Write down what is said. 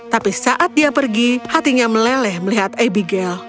tapi saat dia pergi hatinya meleleh melihat abigail